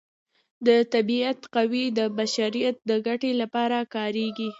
د طبیعت قوې د بشریت د ګټې لپاره کاریږي.